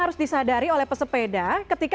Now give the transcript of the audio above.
harus disadari oleh pesepeda ketika